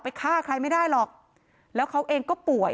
ฆ่าใครไม่ได้หรอกแล้วเขาเองก็ป่วย